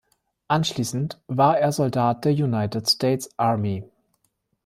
Anschließend war er Soldat der United States Army.